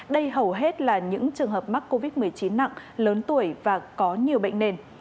đây hầu hết là những trường hợp mắc covid một mươi chín nặng lớn tuổi và có nhiều bệnh nền